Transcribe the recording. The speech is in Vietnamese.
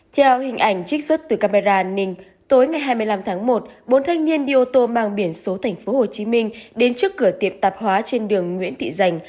theo hình ảnh trích xuất từ camera an ninh tối ngày hai mươi năm tháng một bốn thanh niên đi ô tô mang biển số tp hcm đến trước cửa tiệp tạp hóa trên đường nguyễn thị giành